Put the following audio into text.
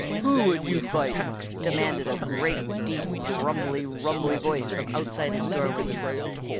"Who would you fight?" demanded a great, deep, grumbly, rumbly voice from outside his doorway.